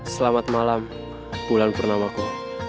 selamat malam bulan pernamaku